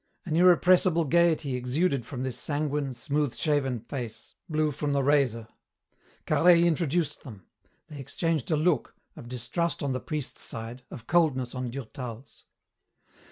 An irrepressible gaiety exuded from this sanguine, smooth shaven face, blue from the razor. Carhaix introduced them. They exchanged a look, of distrust on the priest's side, of coldness on Durtal's.